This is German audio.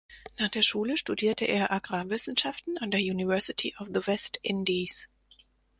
Nach der Schule studierte er Agrarwissenschaften an der University of the West Indies.